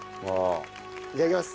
いただきます。